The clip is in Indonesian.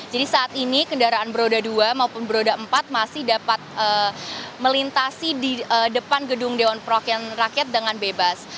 jadi saat ini kendaraan beroda dua maupun beroda empat masih dapat melintasi di depan gedung dewan perwakilan rakyat dengan bebas